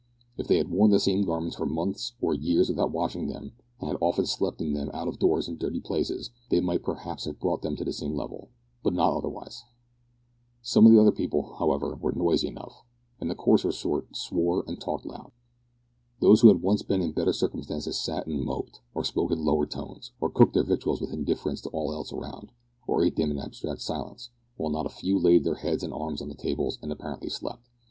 If they had worn the same garments for months or years without washing them, and had often slept in them out of doors in dirty places, they might perhaps have brought them to the same level, but not otherwise. Some of the people, however, were noisy enough. Many of them were smoking, and the coarser sort swore and talked loud. Those who had once been in better circumstances sat and moped, or spoke in lower tones, or cooked their victuals with indifference to all else around, or ate them in abstracted silence; while not a few laid their heads and arms on the tables, and apparently slept.